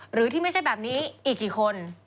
หรือที่ไม่ใช่แบบนี้อีกกี่คน